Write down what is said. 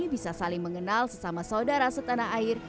bisa saling mengenal sesama saudara setanah air